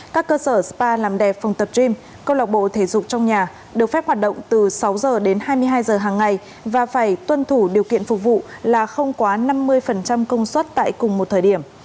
các cơ sở spa làm đẹp phòng tập gym câu lạc bộ thể dục trong nhà được phép hoạt động từ sáu h đến hai mươi hai h hàng ngày và phải tuân thủ điều kiện phục vụ là không quá năm mươi công suất tại cùng một thời điểm